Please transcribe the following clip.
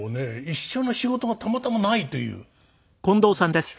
一緒の仕事がたまたまないという事なのかしら？